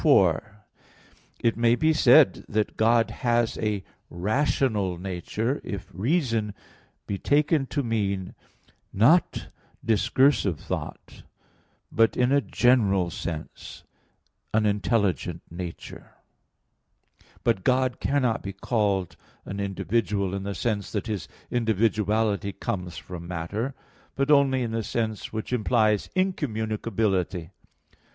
4: It may be said that God has a rational nature, if reason be taken to mean, not discursive thought, but in a general sense, an intelligent nature. But God cannot be called an "individual" in the sense that His individuality comes from matter; but only in the sense which implies incommunicability.